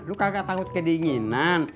lu kagak takut kedinginan